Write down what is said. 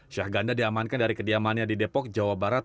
syahganda diamankan dari kediamannya di depok jawa barat